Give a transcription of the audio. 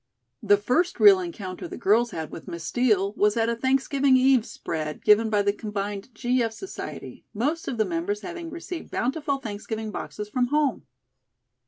The first real encounter the girls had with Miss Steel was at a Thanksgiving Eve spread given by the combined G. F. Society, most of the members having received bountiful Thanksgiving boxes from home.